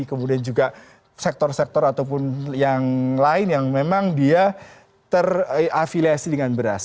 kemudian juga sektor sektor ataupun yang lain yang memang dia terafiliasi dengan beras